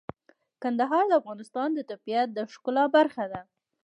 کندهار د افغانستان د طبیعت د ښکلا برخه ده.